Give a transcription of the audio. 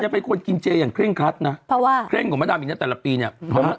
เป็นคนกินเจอย่างเร่งครัดนะเพราะว่าเคร่งกว่ามะดำอีกนะแต่ละปีเนี่ย